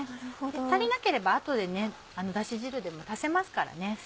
足りなければ後でだし汁でも足せますからね。